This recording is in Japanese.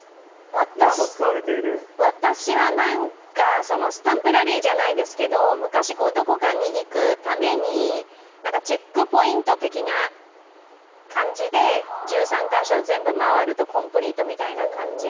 私はスタンプラリーじゃないですけど、昔どこかに行くためにチェックポイント的な感じで、１３か所、全部回るとコンプリートみたいな感じで。